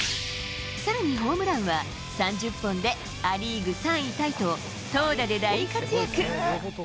さらにホームランは３０本でア・リーグ３位タイと、投打で大活躍。